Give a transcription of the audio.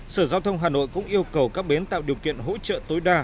sở giao thông hà nội cũng yêu cầu các bến tạo điều kiện hỗ trợ tối đa